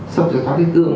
sốc ra thoát thế tương